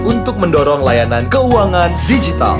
untuk mendorong layanan keuangan digital